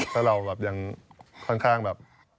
แต่เรายังค่อนข้างแบบ